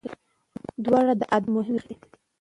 دواړه د ادب مهمې برخې دي.